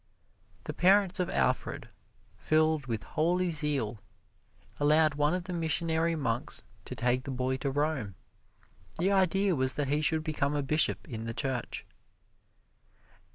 The parents of Alfred, filled with holy zeal, allowed one of the missionary monks to take the boy to Rome. The idea was that he should become a bishop in the Church.